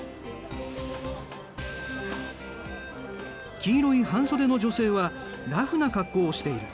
黄色い半袖の女性はラフな格好をしている。